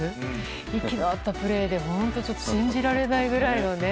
息の合ったプレーで本当ちょっと信じられないぐらいのね。